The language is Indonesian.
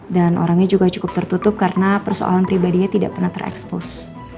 dan orangnya juga cukup tertutup karena persoalan pribadinya tidak pernah terekspos